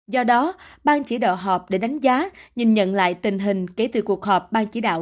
do đó ban chỉ đạo họp để đánh giá nhìn nhận lại tình hình kể từ cuộc họp ban chỉ đạo